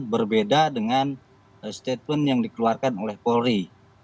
berbeda dengan statement yang dikeluarkan oleh polri